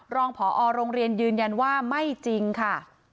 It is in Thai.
รองผอโรงเรียนยืนยันว่าไม่จริงค่ะ